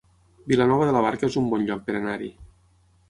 Vilanova de la Barca es un bon lloc per anar-hi